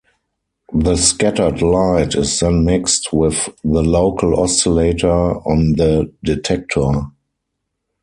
The scattered light is then mixed with the local oscillator on the detector.